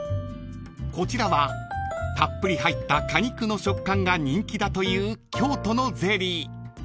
［こちらはたっぷり入った果肉の食感が人気だという京都のゼリー］